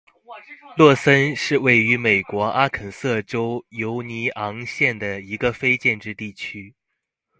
洛森是位于美国阿肯色州犹尼昂县的一个非建制地区。